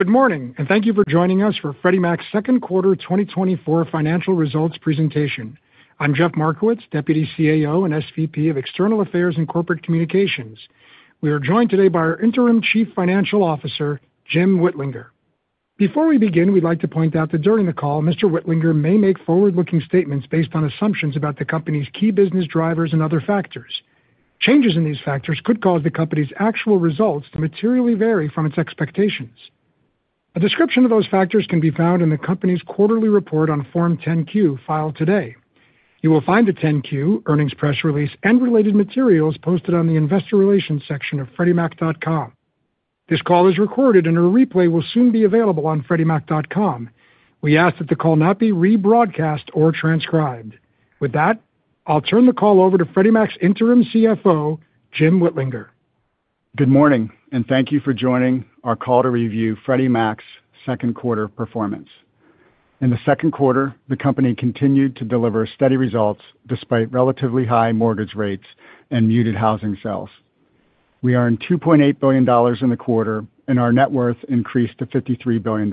Good morning, and thank you for joining us for Freddie Mac's second quarter 2024 financial results presentation. I'm Jeff Markowitz, Deputy CAO and SVP of External Affairs and Corporate Communications. We are joined today by our interim Chief Financial Officer, Jim Whitlinger. Before we begin, we'd like to point out that during the call, Mr. Whitlinger may make forward-looking statements based on assumptions about the company's key business drivers and other factors. Changes in these factors could cause the company's actual results to materially vary from its expectations. A description of those factors can be found in the company's quarterly report on Form 10-Q filed today. You will find the 10-Q, earnings press release, and related materials posted on the investor relations section of freddiemac.com. This call is recorded, and a replay will soon be available on freddiemac.com. We ask that the call not be rebroadcast or transcribed. With that, I'll turn the call over to Freddie Mac's Interim CFO, Jim Whitlinger. Good morning, and thank you for joining our call to review Freddie Mac's second quarter performance. In the second quarter, the company continued to deliver steady results despite relatively high mortgage rates and muted housing sales. We earned $2.8 billion in the quarter, and our net worth increased to $53 billion.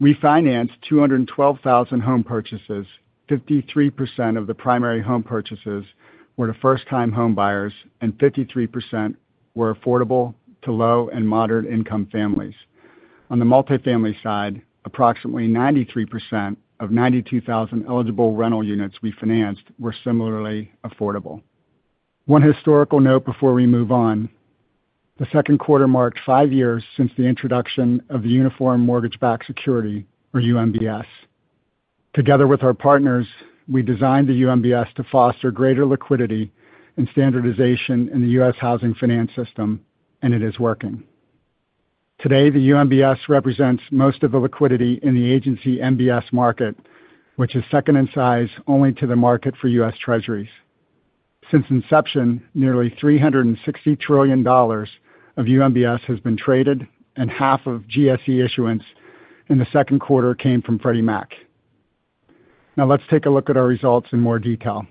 We financed 212,000 home purchases. 53% of the primary home purchases were to first-time home buyers, and 53% were affordable to low and moderate-income families. On the multifamily side, approximately 93% of 92,000 eligible rental units we financed were similarly affordable. One historical note before we move on: the second quarter marked five years since the introduction of the Uniform Mortgage-Backed Security, or UMBS. Together with our partners, we designed the UMBS to foster greater liquidity and standardization in the U.S. housing finance system, and it is working. Today, the UMBS represents most of the liquidity in the agency MBS market, which is second in size only to the market for U.S. Treasuries. Since inception, nearly $360 trillion of UMBS has been traded, and half of GSE issuance in the second quarter came from Freddie Mac. Now, let's take a look at our results in more detail.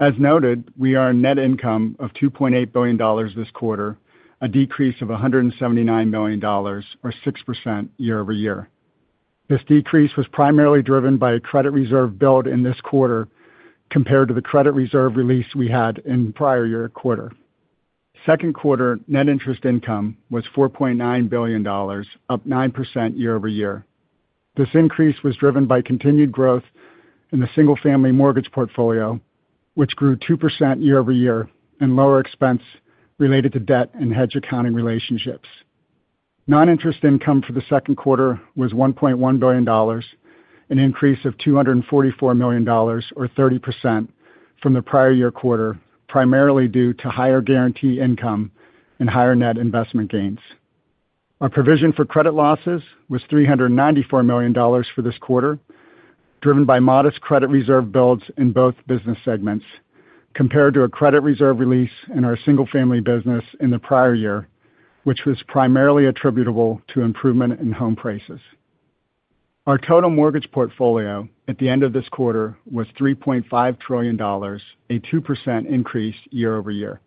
As noted, we earned net income of $2.8 billion this quarter, a decrease of $179 million, or 6% year-over-year. This decrease was primarily driven by a credit reserve build in this quarter compared to the credit reserve release we had in the prior year quarter. Second quarter net interest income was $4.9 billion, up 9% year-over-year. This increase was driven by continued growth in the single-family mortgage portfolio, which grew 2% year-over-year and lower expense related to debt and hedge accounting relationships. Non-interest income for the second quarter was $1.1 billion, an increase of $244 million, or 30% from the prior year quarter, primarily due to higher guarantee income and higher net investment gains. Our provision for credit losses was $394 million for this quarter, driven by modest credit reserve builds in both business segments compared to a credit reserve release in our Single-Family business in the prior year, which was primarily attributable to improvement in home prices. Our total mortgage portfolio at the end of this quarter was $3.5 trillion, a 2% increase year-over-year.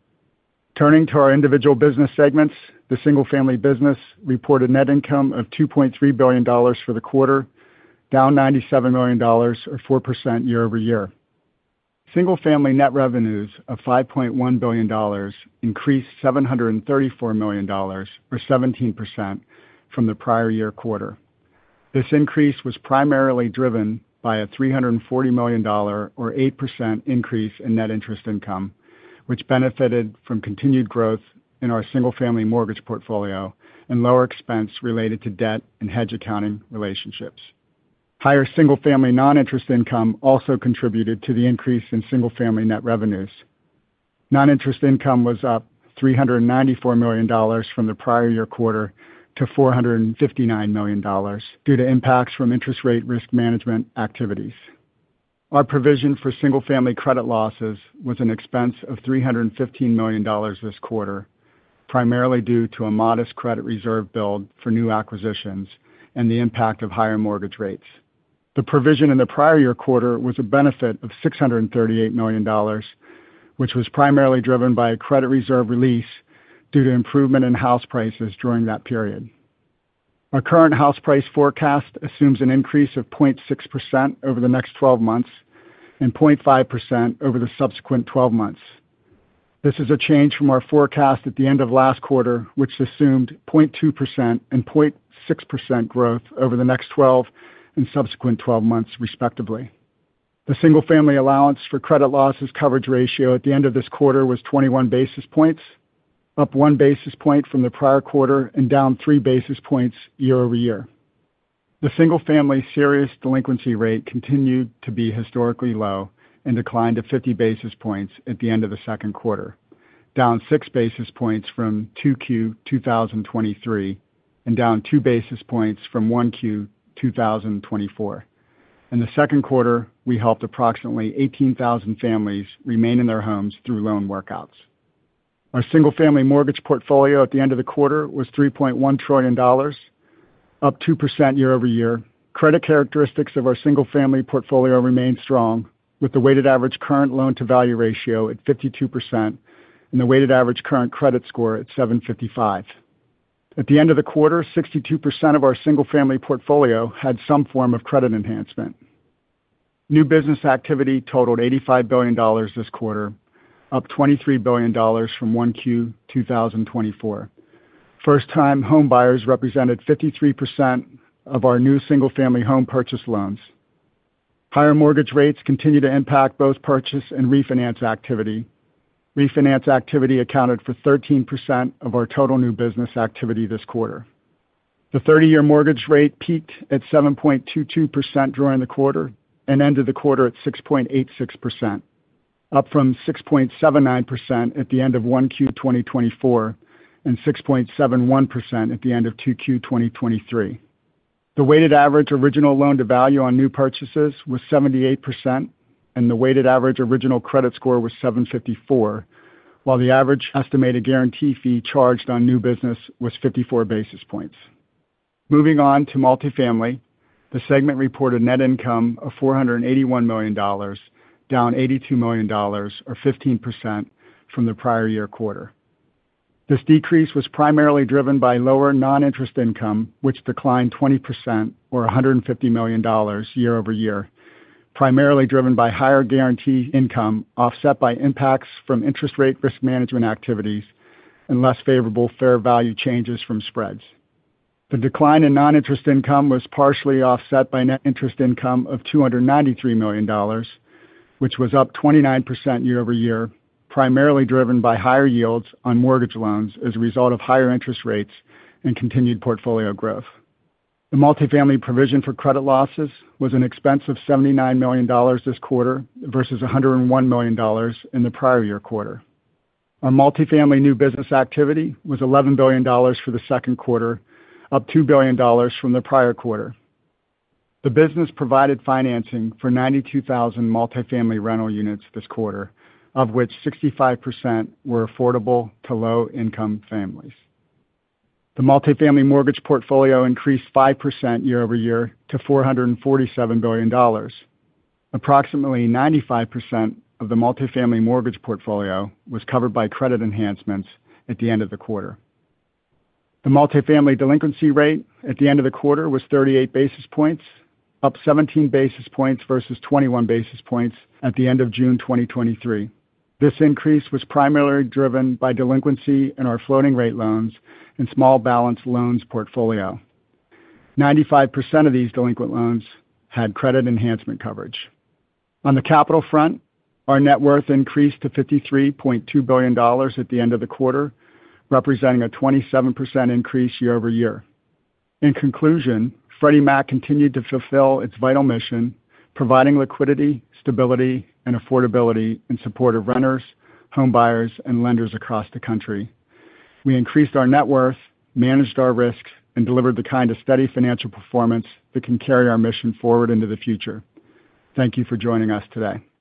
Turning to our individual business segments, the Single-Family business reported net income of $2.3 billion for the quarter, down $97 million, or 4% year-over-year. Single-Family net revenues of $5.1 billion increased $734 million, or 17% from the prior year quarter. This increase was primarily driven by a $340 million, or 8% increase in net interest income, which benefited from continued growth in our single-family mortgage portfolio and lower expense related to debt and hedge accounting relationships. Higher single-family non-interest income also contributed to the increase in single-family net revenues. Non-interest income was up $394 million from the prior year quarter to $459 million due to impacts from interest rate risk management activities. Our provision for single-family credit losses was an expense of $315 million this quarter, primarily due to a modest credit reserve build for new acquisitions and the impact of higher mortgage rates. The provision in the prior year quarter was a benefit of $638 million, which was primarily driven by a credit reserve release due to improvement in house prices during that period. Our current house price forecast assumes an increase of 0.6% over the next 12 months and 0.5% over the subsequent 12 months. This is a change from our forecast at the end of last quarter, which assumed 0.2% and 0.6% growth over the next 12 and subsequent 12 months, respectively. The single-family allowance for credit losses coverage ratio at the end of this quarter was 21 basis points, up one basis point from the prior quarter and down three basis points year-over-year. The single-family serious delinquency rate continued to be historically low and declined to 50 basis points at the end of the second quarter, down six basis points from 2Q 2023 and down two basis points from 1Q 2024. In the second quarter, we helped approximately 18,000 families remain in their homes through loan workouts. Our single-family mortgage portfolio at the end of the quarter was $3.1 trillion, up 2% year-over-year. Credit characteristics of our single-family portfolio remained strong, with the weighted average current loan-to-value ratio at 52% and the weighted average current credit score at 755. At the end of the quarter, 62% of our single-family portfolio had some form of credit enhancement. New business activity totaled $85 billion this quarter, up $23 billion from 1Q 2024. First-time home buyers represented 53% of our new single-family home purchase loans. Higher mortgage rates continue to impact both purchase and refinance activity. Refinance activity accounted for 13% of our total new business activity this quarter. The 30-year mortgage rate peaked at 7.22% during the quarter and ended the quarter at 6.86%, up from 6.79% at the end of 1Q 2024 and 6.71% at the end of 2Q 2023. The weighted average original loan-to-value on new purchases was 78%, and the weighted average original credit score was 754, while the average estimated guarantee fee charged on new business was 54 basis points. Moving on to multifamily, the segment reported net income of $481 million, down $82 million, or 15% from the prior year quarter. This decrease was primarily driven by lower non-interest income, which declined 20%, or $150 million year-over-year, primarily driven by higher guarantee income offset by impacts from interest rate risk management activities and less favorable fair value changes from spreads. The decline in non-interest income was partially offset by net interest income of $293 million, which was up 29% year-over-year, primarily driven by higher yields on mortgage loans as a result of higher interest rates and continued portfolio growth. The multifamily provision for credit losses was an expense of $79 million this quarter versus $101 million in the prior year quarter. Our multifamily new business activity was $11 billion for the second quarter, up $2 billion from the prior quarter. The business provided financing for 92,000 multifamily rental units this quarter, of which 65% were affordable to low-income families. The multifamily mortgage portfolio increased 5% year-over-year to $447 billion. Approximately 95% of the multifamily mortgage portfolio was covered by Credit Enhancements at the end of the quarter. The multifamily delinquency rate at the end of the quarter was 38 basis points, up 17 basis points versus 21 basis points at the end of June 2023. This increase was primarily driven by delinquency in our Floating-Rate Loans and Small Balance Loans portfolio. 95% of these delinquent loans had Credit Enhancement coverage. On the capital front, our net worth increased to $53.2 billion at the end of the quarter, representing a 27% increase year-over-year. In conclusion, Freddie Mac continued to fulfill its vital mission, providing liquidity, stability, and affordability in support of renters, home buyers, and lenders across the country. We increased our net worth, managed our risks, and delivered the kind of steady financial performance that can carry our mission forward into the future. Thank you for joining us today.